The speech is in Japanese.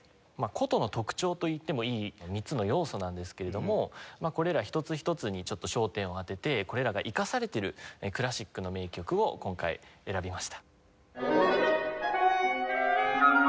箏の特徴といってもいい３つの要素なんですけれどもこれら一つ一つにちょっと焦点を当ててこれらが生かされているクラシックの名曲を今回選びました。